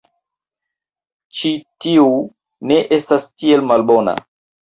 Ĉi tiu... ne estas tiel malbona.